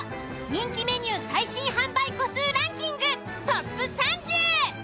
人気メニュー最新販売個数ランキング